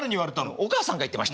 お母さんが言ってました。